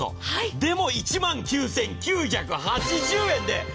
でも、１万９９８０円で。